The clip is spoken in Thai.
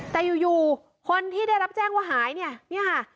แต่อยู่คนที่ได้รับแจ้งว่าหายนี่ค่ะ